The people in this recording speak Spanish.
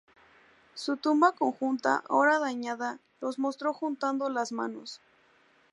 Su tumba conjunta, ahora dañada, los mostró juntando las manos.